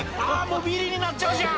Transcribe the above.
もうビリになっちゃうじゃん！」